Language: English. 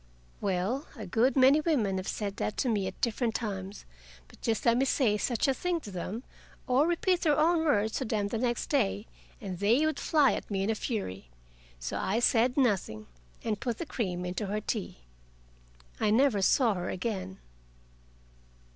Well, a good many women have said that to me at different times. But just let me say such a thing to them, or repeat their own words to them the next day, and they would fly at me in a fury. So I said nothing, and put the cream into her tea. I never saw her again.